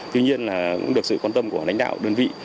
tuy nhiên là cũng được sự quan tâm của lãnh đạo đơn vị